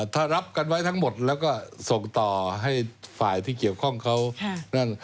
ถ้ารับกันไว้ทั้งหมดแล้วก็ส่งต่อให้ฝ่ายที่เกี่ยวข้องเขานั่น